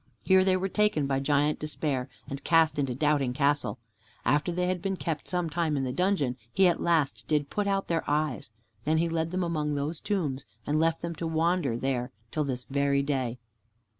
Here they were taken by Giant Despair and cast into Doubting Castle. After they had been kept some time in the dungeon, he at last did put out their eyes. Then he led them among those tombs, and left them to wander there till this very day."